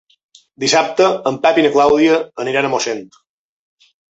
Dissabte en Pep i na Clàudia aniran a Moixent.